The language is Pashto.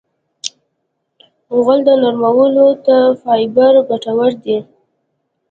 غول نرمولو ته فایبر ګټور دی.